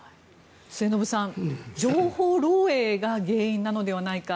末延さん、情報漏えいが原因なのではないか。